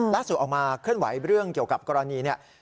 ล่าสุดออกมาเคลื่อนไหวเรื่องเกี่ยวกับกรณี